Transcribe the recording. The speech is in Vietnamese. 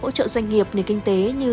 hỗ trợ doanh nghiệp nền kinh tế như